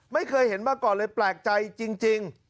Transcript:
ไม่เคยเห็นมาก่อนเลยแปลกใจจริง